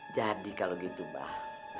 jadi kalau gitu mbak